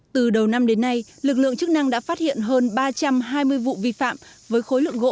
từ đầu năm đến nay lực lượng chức năng đã phát hiện hơn ba trăm hai mươi vụ vi phạm với khối lượng gỗ